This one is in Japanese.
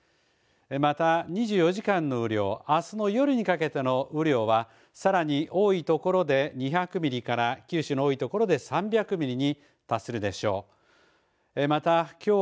また２４時間の雨量あすの夜にかけての雨量はさらに多い所で２００ミリから九州の多い所で３００ミリに達するでしょう。